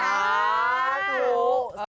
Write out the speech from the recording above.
สาธุ